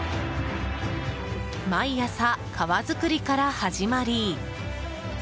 毎朝、皮作りから始まり。